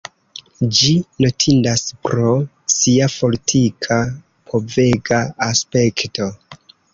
Ĝi notindas pro sia fortika povega aspekto.